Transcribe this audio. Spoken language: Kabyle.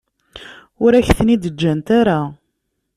Ur ak-ten-id-ǧǧant ara.